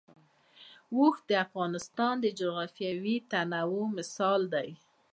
اوښ د افغانستان د جغرافیوي تنوع مثال دی.